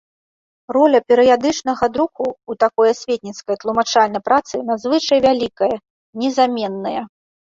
Роля перыядычнага друку ў такой асветніцкай, тлумачальнай працы надзвычай вялікая, незаменная.